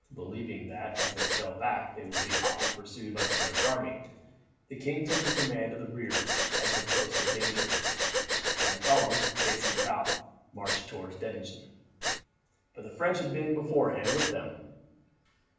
Believing that as they fell back they would be hotly pursued by the French army, the king took the command of the rear as the post of danger, and the columns, facing about, marched towards Dettingen. But the French had been beforehand with them.